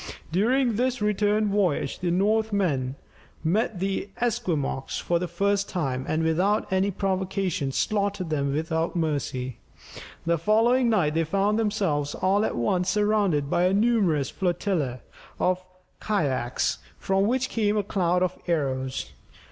During this return voyage, the Northmen met with the Esquimaux for the first time, and without any provocation, slaughtered them without mercy. The following night they found themselves all at once surrounded by a numerous flotilla of Kayacs, from which came a cloud of arrows.